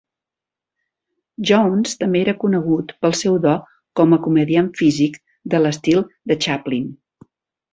Jones també era conegut pel seu do com a comediant físic de l'estil de Chaplin.